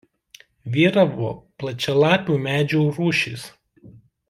Vyravo plačialapių medžių rūšys.